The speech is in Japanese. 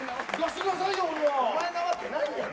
お前なわけないやろ。